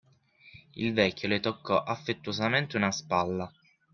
Il vecchio le toccò affettuosamente una spalla.